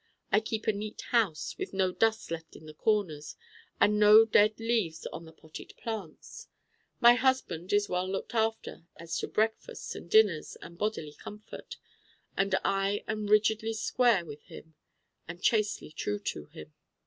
I keep a neat house with no dust left in the corners and no dead leaves on the potted plants. My husband is well looked after as to breakfasts and dinners and bodily comfort, and I am rigidly square with him and chastely true to him.